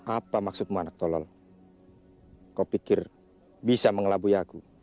apa maksudmu anak tolong kau pikir bisa mengelabui aku